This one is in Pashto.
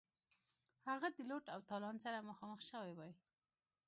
هغه د لوټ او تالان سره مخامخ شوی وای.